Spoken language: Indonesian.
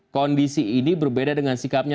kondisi ini berbeda dengan sikapnya